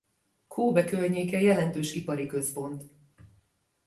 Kóbe környéke jelentős ipari központ.